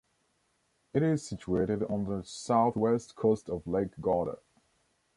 It is situated on the southwest coast of Lake Garda.